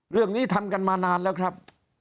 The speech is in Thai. เรื่องนี้ทำกันมานานแล้วครับ